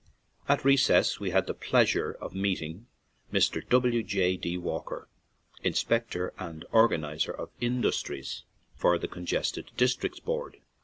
At Recess we had the pleasure of meet ing Mr. W. J. D. Walker, Inspector and Organizer of Industries for the Congested Districts Board.